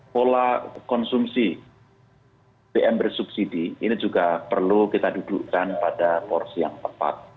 pola konsumsi bbm bersubsidi ini juga perlu kita dudukkan pada porsi yang tepat